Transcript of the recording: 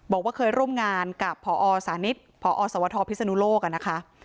บอกว่าเคยร่วมงานกับพอสานิทพอสวทพิศนุโลกนะคะ